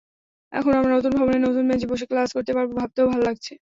এখন আমরা নতুন ভবনে নতুন বেঞ্চে বসে ক্লাস করতে পারব—ভাবতেও ভালো লাগছে।